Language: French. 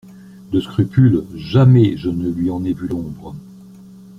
«De scrupules, jamais je ne lui en ai vu l'ombre.